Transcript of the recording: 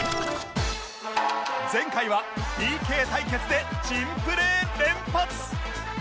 前回は ＰＫ 対決で珍プレー連発！